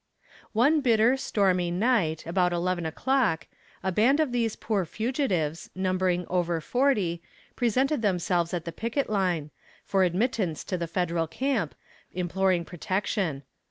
One bitter, stormy night, about eleven o'clock, a band of these poor fugitives, numbering over forty, presented themselves at the picket line, for admittance to the federal camp, imploring protection.